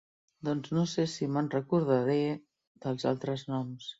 Doncs no sé si m'enrecordaré dels altres noms.